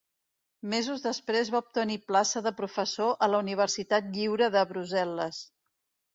Mesos després va obtenir plaça de professor a la Universitat Lliure de Brussel·les.